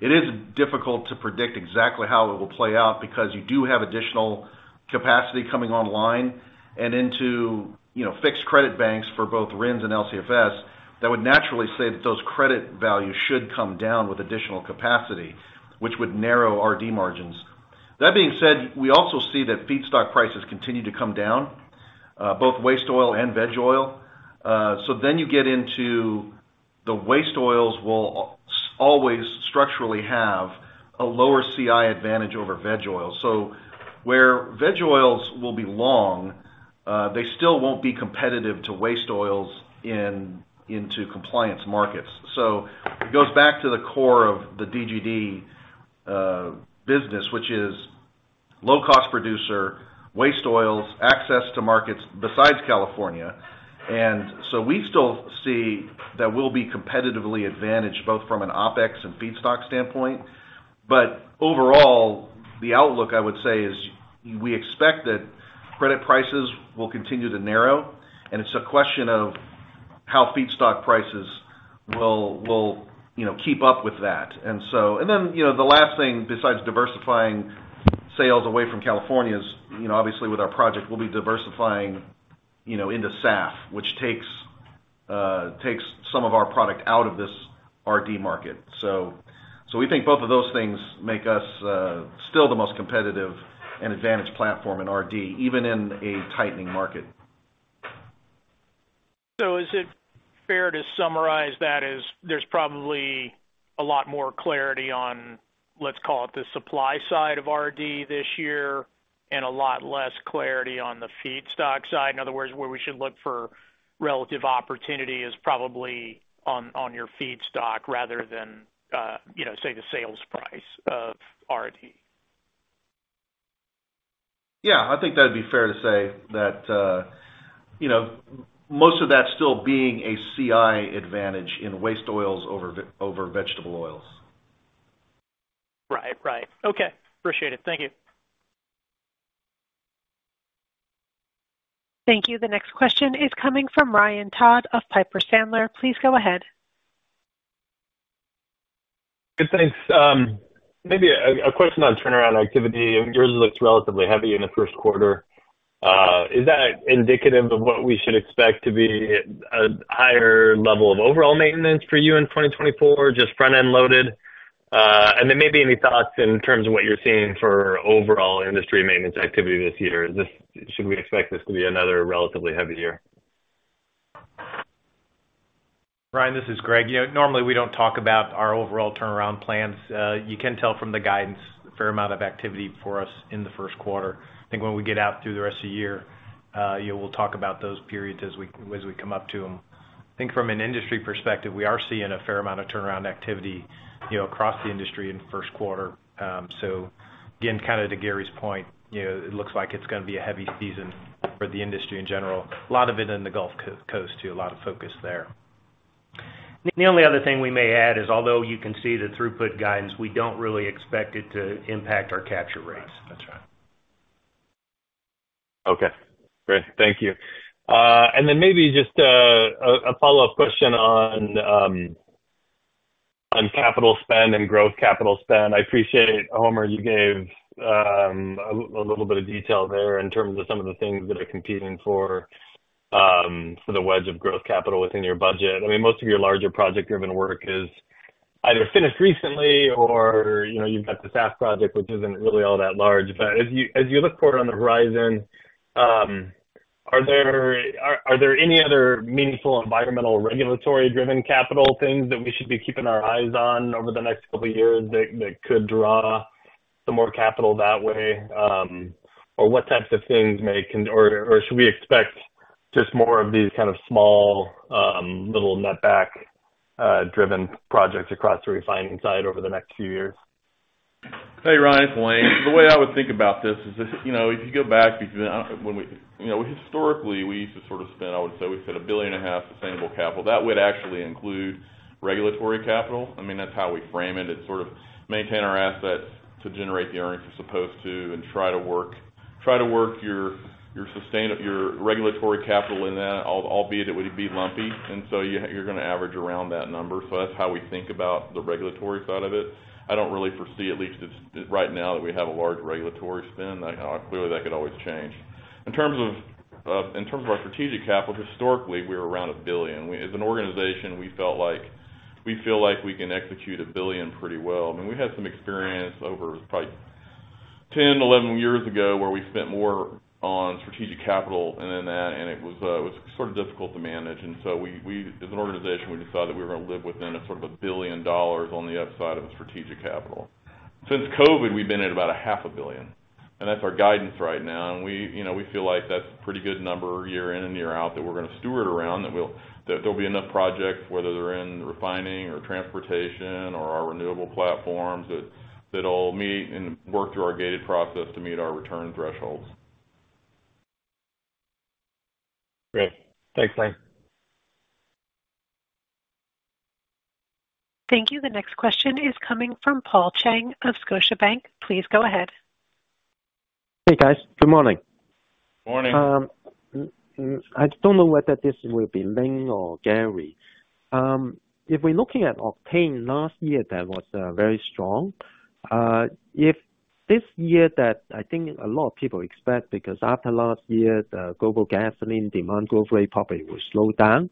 is difficult to predict exactly how it will play out because you do have additional capacity coming online and into, you know, fixed credit banks for both RINs and LCFS. That would naturally say that those credit values should come down with additional capacity, which would narrow RD margins. That being said, we also see that feedstock prices continue to come down, both waste oil and veg oil. So then you get into the waste oils will always structurally have a lower CI advantage over veg oil. So where veg oils will be long, they still won't be competitive to waste oils in, into compliance markets. So it goes back to the core of the DGD, business, which is low-cost producer, waste oils, access to markets besides California. And so we still see that we'll be competitively advantaged, both from an OpEx and feedstock standpoint. But overall, the outlook, I would say, is we expect that credit prices will continue to narrow, and it's a question of how feedstock prices will, you know, keep up with that. And so, and then, you know, the last thing, besides diversifying sales away from California is, you know, obviously, with our project, we'll be diversifying, you know, into SAF, which takes some of our product out of this RD market. So we think both of those things make us still the most competitive and advantaged platform in RD, even in a tightening market. So is it fair to summarize that as there's probably a lot more clarity on, let's call it, the supply side of RD this year and a lot less clarity on the feedstock side? In other words, where we should look for relative opportunity is probably on, on your feedstock rather than, you know, say, the sales price of RD. Yeah, I think that'd be fair to say that, you know, most of that still being a CI advantage in waste oils over vegetable oils. Right. Right. Okay, appreciate it. Thank you. Thank you. The next question is coming from Ryan Todd of Piper Sandler. Please go ahead. Good, thanks. Maybe a question on turnaround activity. Yours looks relatively heavy in the first quarter. Is that indicative of what we should expect to be a higher level of overall maintenance for you in 2024, just front-end loaded? And then maybe any thoughts in terms of what you're seeing for overall industry maintenance activity this year. Is this? Should we expect this to be another relatively heavy year? Ryan, this is Greg. You know, normally, we don't talk about our overall turnaround plans. You can tell from the guidance, a fair amount of activity for us in the first quarter. I think when we get out through the rest of the year, you know, we'll talk about those periods as we, as we come up to them. I think from an industry perspective, we are seeing a fair amount of turnaround activity, you know, across the industry in the first quarter. So again, kind of to Gary's point, you know, it looks like it's gonna be a heavy season for the industry in general. A lot of it in the Gulf Coast, too. A lot of focus there.... The only other thing we may add is, although you can see the throughput guidance, we don't really expect it to impact our capture rates. That's right. Okay, great. Thank you. And then maybe just a follow-up question on capital spend and growth capital spend. I appreciate, Homer, you gave a little bit of detail there in terms of some of the things that are competing for the wedge of growth capital within your budget. I mean, most of your larger project-driven work is either finished recently or, you know, you've got the SAF project, which isn't really all that large. But as you look forward on the horizon, are there any other meaningful environmental regulatory-driven capital things that we should be keeping our eyes on over the next couple of years that could draw some more capital that way? Or what types of things may or should we expect just more of these kind of small, little netback driven projects across the refining side over the next few years? Hey, Ryan, it's Lane. The way I would think about this is, you know, if you go back, because, you know, historically, we used to sort of spend, I would say, we spent $1.5 billion sustainable capital. That would actually include regulatory capital. I mean, that's how we frame it. It sort of maintain our assets to generate the earnings it's supposed to, and try to work your regulatory capital in that, albeit it would be lumpy, and so you're gonna average around that number. So that's how we think about the regulatory side of it. I don't really foresee, at least as right now, that we have a large regulatory spend. Clearly, that could always change. In terms of our strategic capital, historically, we were around $1 billion. We as an organization, we felt like we feel like we can execute $1 billion pretty well. I mean, we had some experience over probably 10, 11 years ago, where we spent more on strategic capital than that, and it was it was sort of difficult to manage, and so we as an organization, we decided that we were going to live within a sort of a $1 billion on the upside of a strategic capital. Since COVID, we've been at about $500 million, and that's our guidance right now. And we, you know, we feel like that's a pretty good number year in and year out, that we're gonna steward around, that there'll be enough projects, whether they're in refining or transportation or our renewable platforms, that that'll meet and work through our gated process to meet our return thresholds. Great. Thanks, Lane. Thank you. The next question is coming from Paul Cheng of Scotiabank. Please go ahead. Hey, guys. Good morning. Morning. I just don't know whether this will be Lane or Gary. If we're looking at octane last year, that was very strong. If this year that I think a lot of people expect, because after last year, the global gasoline demand growth rate probably will slow down.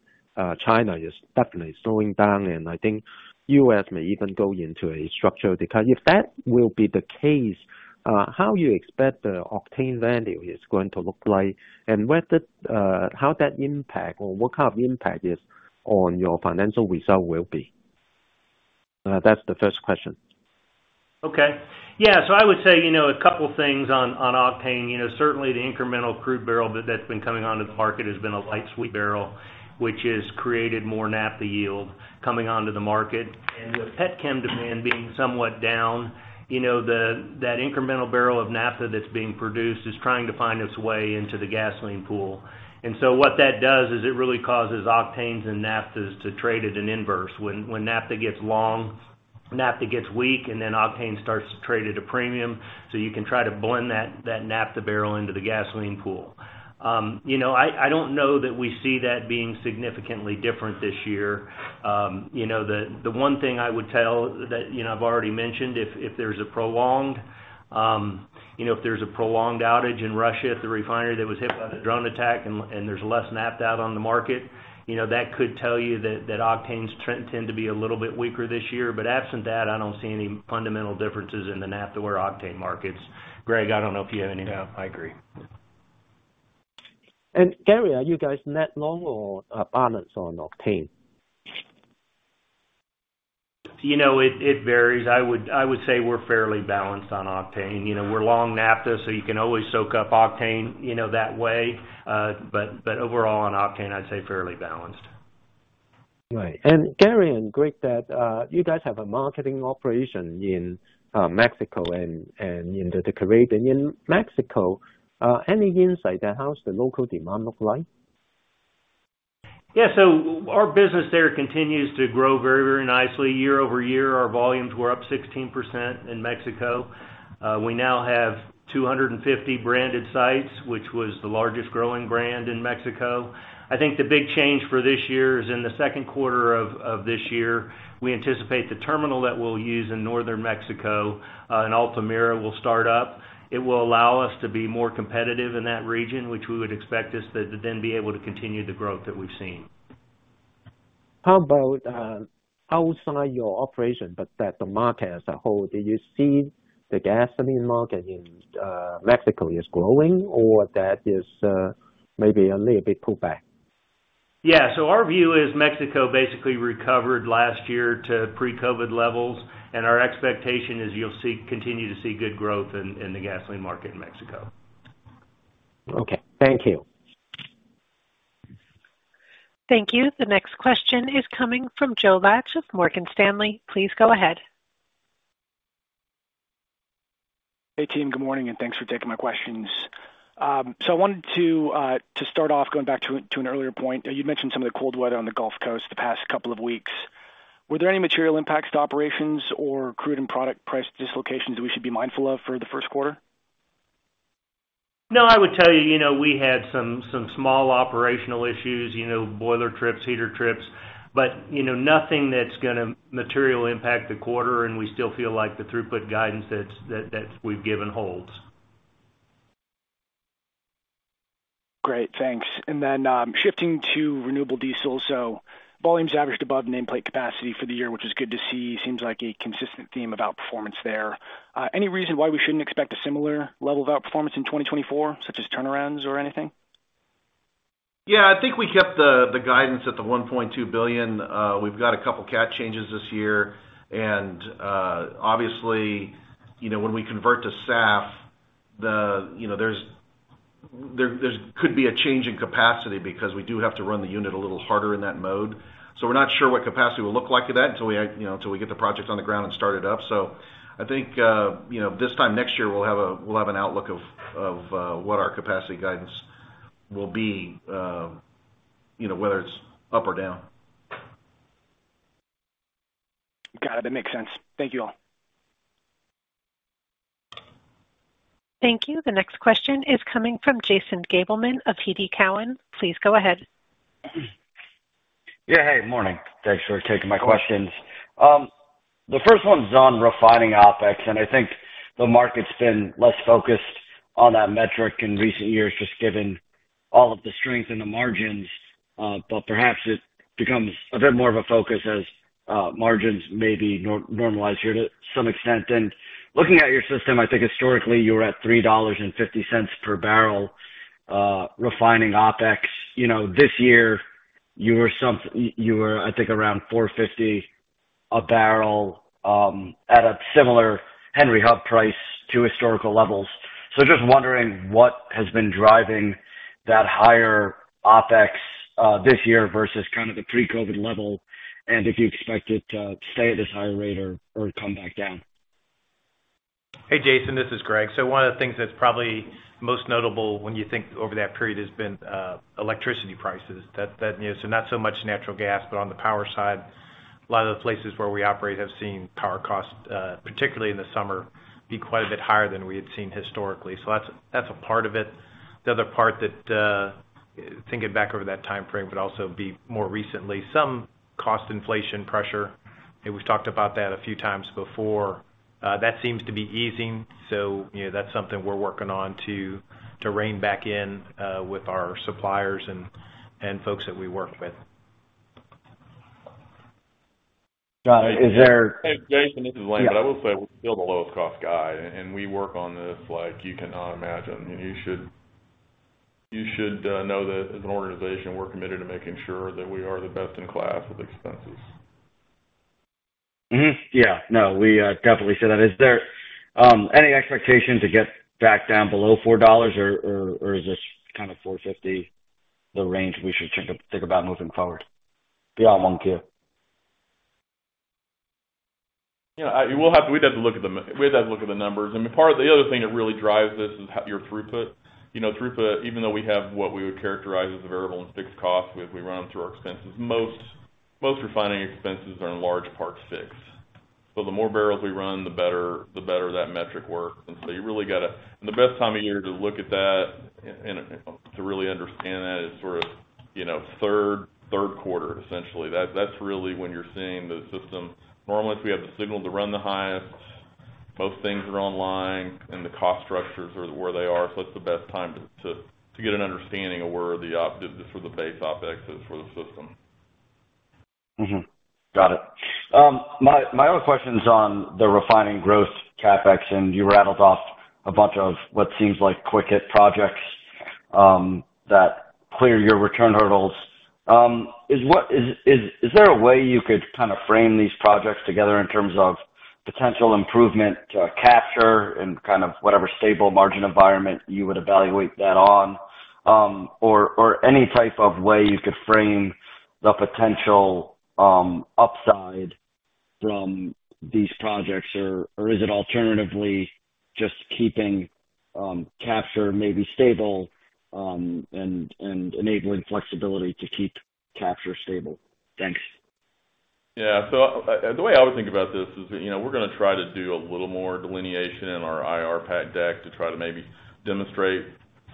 China is definitely slowing down, and I think U.S. may even go into a structural decline. If that will be the case, how you expect the octane value is going to look like? And whether how that impact or what kind of impact is on your financial result will be? That's the first question. Okay. Yeah, so I would say, you know, a couple things on, on octane. You know, certainly the incremental crude barrel that, that's been coming onto the market has been a light sweet barrel, which has created more naphtha yield coming onto the market. And with petchem demand being somewhat down, you know, the, that incremental barrel of naphtha that's being produced is trying to find its way into the gasoline pool. And so what that does is it really causes octanes and naphthas to trade at an inverse. When, when naphtha gets long, naphtha gets weak, and then octane starts to trade at a premium. So you can try to blend that, that naphtha barrel into the gasoline pool. You know, I, I don't know that we see that being significantly different this year. You know, the one thing I would tell that, you know, I've already mentioned, if there's a prolonged outage in Russia, at the refinery that was hit by the drone attack and there's less naphtha out on the market, you know, that could tell you that octanes trend tend to be a little bit weaker this year. But absent that, I don't see any fundamental differences in the naphtha or octane markets. Greg, I don't know if you have anything. Yeah, I agree. Gary, are you guys net long or balanced on octane? You know, it varies. I would say we're fairly balanced on octane. You know, we're long naphtha, so you can always soak up octane, you know, that way. But overall, on octane, I'd say fairly balanced. Right. And Gary and Greg, that, you guys have a marketing operation in, Mexico and, and in the Caribbean. In Mexico, any insight on how's the local demand look like? Yeah, so our business there continues to grow very, very nicely. Year over year, our volumes were up 16% in Mexico. We now have 250 branded sites, which was the largest growing brand in Mexico. I think the big change for this year is in the second quarter of this year, we anticipate the terminal that we'll use in northern Mexico, in Altamira, will start up. It will allow us to be more competitive in that region, which we would expect us to then be able to continue the growth that we've seen. How about outside your operation, but that the market as a whole, do you see the gasoline market in Mexico is growing or that is maybe a little bit pullback? Yeah, so our view is Mexico basically recovered last year to pre-COVID levels, and our expectation is you'll continue to see good growth in the gasoline market in Mexico. Okay, thank you. Thank you. The next question is coming from Joe Laetsch of Morgan Stanley. Please go ahead.... Hey, team, good morning, and thanks for taking my questions. So I wanted to, to start off, going back to, to an earlier point. You mentioned some of the cold weather on the Gulf Coast the past couple of weeks. Were there any material impacts to operations or crude and product price dislocations that we should be mindful of for the first quarter? No, I would tell you, you know, we had some small operational issues, you know, boiler trips, heater trips, but, you know, nothing that's gonna materially impact the quarter, and we still feel like the throughput guidance that we've given holds. Great, thanks. Then, shifting to renewable diesel. Volumes averaged above nameplate capacity for the year, which is good to see. Seems like a consistent theme about performance there. Any reason why we shouldn't expect a similar level of outperformance in 2024, such as turnarounds or anything? Yeah, I think we kept the guidance at the $1.2 billion. We've got a couple of CapEx changes this year, and obviously, you know, when we convert to SAF, you know, there could be a change in capacity because we do have to run the unit a little harder in that mode. So we're not sure what capacity will look like until we, you know, get the project on the ground and start it up. So I think, you know, this time next year, we'll have an outlook of what our capacity guidance will be, you know, whether it's up or down. Got it. That makes sense. Thank you all. Thank you. The next question is coming from Jason Gabelman of TD Cowen. Please go ahead. Yeah. Hey, morning. Thanks for taking my questions. The first one's on refining OpEx, and I think the market's been less focused on that metric in recent years, just given all of the strength in the margins, but perhaps it becomes a bit more of a focus as margins maybe normalized here to some extent. And looking at your system, I think historically you were at $3.50 per barrel refining OpEx. You know, this year, you were, I think, around $4.50 a barrel at a similar Henry Hub price to historical levels. So just wondering what has been driving that higher OpEx this year versus kind of the pre-COVID level, and if you expect it to stay at this higher rate or come back down? Hey, Jason, this is Greg. So one of the things that's probably most notable when you think over that period has been electricity prices. That, you know, so not so much natural gas, but on the power side, a lot of the places where we operate have seen power costs, particularly in the summer, be quite a bit higher than we had seen historically. So that's a part of it. The other part that thinking back over that timeframe, but also be more recently, some cost inflation pressure, and we've talked about that a few times before. That seems to be easing, so, you know, that's something we're working on to rein back in with our suppliers and folks that we work with. Got it. Is there- Jason, this is Lane. I will say we're still the lowest cost guy, and we work on this like you cannot imagine. And you should, you should, know that as an organization, we're committed to making sure that we are the best in class with expenses. Mm-hmm. Yeah, no, we definitely see that. Is there any expectation to get back down below $4 or is this kind of $4.50, the range we should think about moving forward? Beyond 1Q. You know, we'll have to look at the numbers. I mean, part of the other thing that really drives this is your throughput. You know, throughput, even though we have what we would characterize as a variable and fixed cost, we run them through our expenses. Most refining expenses are in large part fixed. So the more barrels we run, the better that metric works. And so you really got to... And the best time of year to look at that and, you know, to really understand that is sort of, you know, third quarter, essentially. That's really when you're seeing the system. Normally, if we have the signal to run the highest, most things are online, and the cost structures are where they are. So that's the best time to get an understanding of where the sort of base OpEx is for the system. Mm-hmm. Got it. My other question is on the refining growth CapEx, and you rattled off a bunch of what seems like quick-hit projects that clear your return hurdles. Is there a way you could kind of frame these projects together in terms of potential improvement, capture and kind of whatever stable margin environment you would evaluate that on? Or any type of way you could frame the potential upside from these projects? Or is it alternatively just keeping capture maybe stable and enabling flexibility to keep capture stable? Thanks. Yeah. So, the way I would think about this is, you know, we're gonna try to do a little more delineation in our IR pack deck to try to maybe demonstrate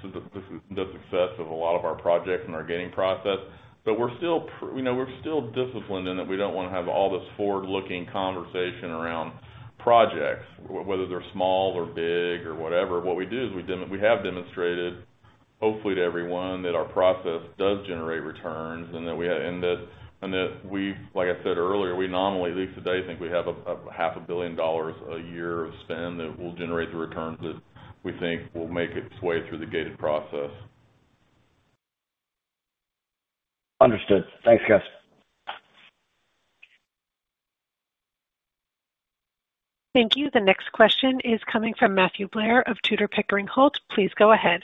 the, the, the success of a lot of our projects and our gating process. But we're still—you know, we're still disciplined in that we don't want to have all this forward-looking conversation around projects, whether they're small or big or whatever. What we do is we—we have demonstrated, hopefully to everyone, that our process does generate returns and that we have—and that, and that we've—like I said earlier, we nominally, at least today, think we have a $500 million a year of spend that will generate the returns that we think will make its way through the gated process. Understood. Thanks, guys. Thank you. The next question is coming from Matthew Blair of Tudor, Pickering, Holt. Please go ahead....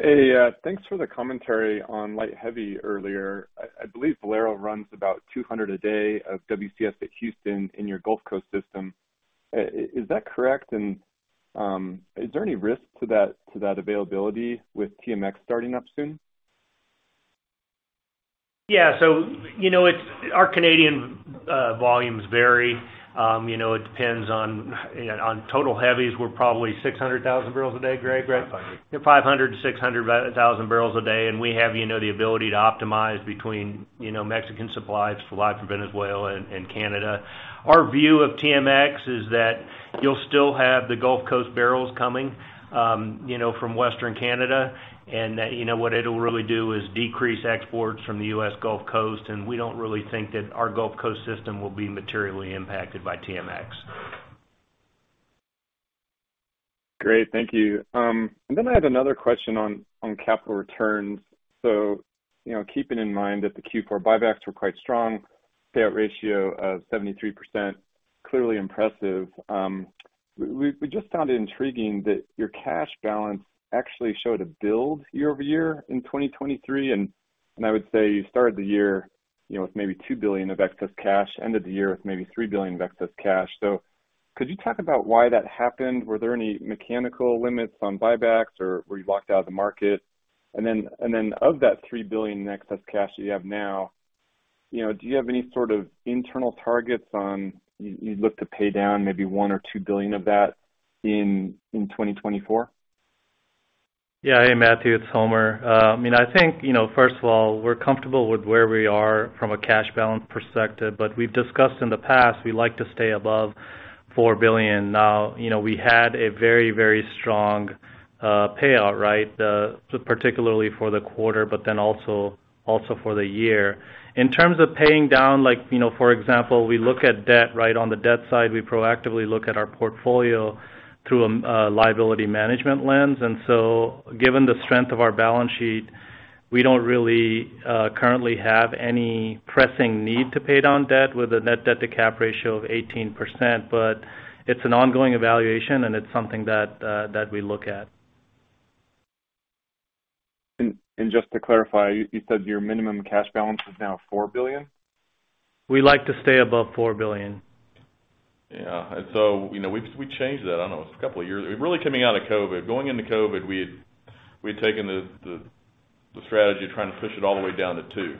Hey, thanks for the commentary on light heavy earlier. I believe Valero runs about 200 a day of WCS at Houston in your Gulf Coast system. Is that correct? And, is there any risk to that, to that availability with TMX starting up soon? Yeah. So, you know, it's our Canadian volumes vary. You know, it depends on total heavies, we're probably 600,000 barrels a day, Greg, right? 500. 500-600,000 barrels a day, and we have, you know, the ability to optimize between, you know, Mexican supplies, supply from Venezuela and Canada. Our view of TMX is that you'll still have the Gulf Coast barrels coming, you know, from Western Canada, and that, you know, what it'll really do is decrease exports from the U.S. Gulf Coast, and we don't really think that our Gulf Coast system will be materially impacted by TMX. Great. Thank you. And then I had another question on capital returns. So, you know, keeping in mind that the Q4 buybacks were quite strong, payout ratio of 73%, clearly impressive. We just found it intriguing that your cash balance actually showed a build year-over-year in 2023, and I would say you started the year, you know, with maybe $2 billion of excess cash, ended the year with maybe $3 billion of excess cash. So could you talk about why that happened? Were there any mechanical limits on buybacks, or were you locked out of the market? And then of that $3 billion in excess cash that you have now, you know, do you have any sort of internal targets on you'd look to pay down maybe $1 billion or $2 billion of that in 2024? Yeah. Hey, Matthew, it's Homer. I mean, I think, you know, first of all, we're comfortable with where we are from a cash balance perspective, but we've discussed in the past, we like to stay above $4 billion. Now, you know, we had a very, very strong payout, right? Particularly for the quarter, but then also for the year. In terms of paying down, like, you know, for example, we look at debt, right? On the debt side, we proactively look at our portfolio through a liability management lens. And so given the strength of our balance sheet, we don't really currently have any pressing need to pay down debt with a net debt to cap ratio of 18%, but it's an ongoing evaluation, and it's something that we look at. Just to clarify, you said your minimum cash balance is now $4 billion? We like to stay above $4 billion. Yeah. And so, you know, we've changed that, I don't know, it's a couple of years. Really coming out of COVID. Going into COVID, we had taken the strategy of trying to push it all the way down to $2 billion,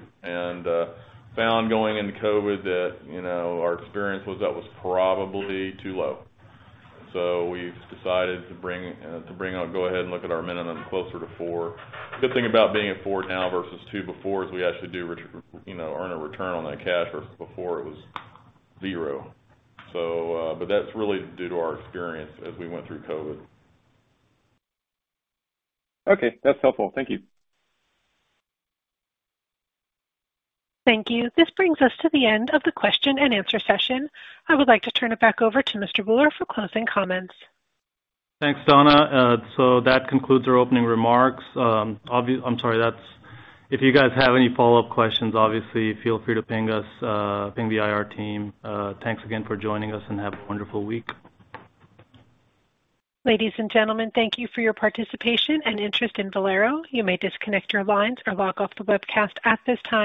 and found going into COVID that, you know, our experience was that was probably too low. So we've decided to bring on. Go ahead and look at our minimum closer to $4 billion. Good thing about being at $4 billion now versus $2 billion before is we actually do return, you know, earn a return on that cash versus before it was zero. So, but that's really due to our experience as we went through COVID. Okay, that's helpful. Thank you. Thank you. This brings us to the end of the question and answer session. I would like to turn it back over to Mr. Bhullar for closing comments. Thanks, Donna. So that concludes our opening remarks. I'm sorry, if you guys have any follow-up questions, obviously feel free to ping us, ping the IR team. Thanks again for joining us, and have a wonderful week. Ladies and gentlemen, thank you for your participation and interest in Valero. You may disconnect your lines or log off the webcast at this time.